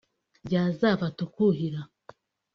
ryazava tukuhira